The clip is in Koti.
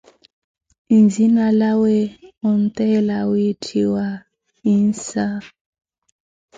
Nzinalawe onteela wiitthiwa Yinsa.